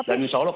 dan insya allah